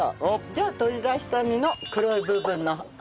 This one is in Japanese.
じゃあ取り出した実の黒い部分の。